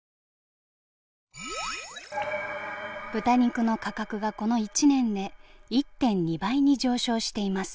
豚肉の価格がこの１年で１．２倍に上昇しています。